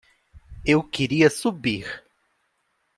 Eu queria subir.